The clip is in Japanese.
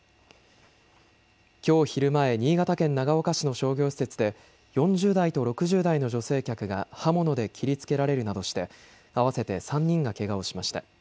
きょう昼前、新潟県長岡市の商業施設で４０代と６０代の女性客が刃物で切りつけられるなどして合わせて３人がけがをしました。